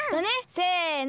せの！